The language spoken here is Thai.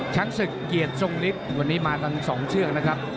ช้างศึกเกียรทย์ทรงฤทธิ์วันนี้มากัน๒เชื้อครับ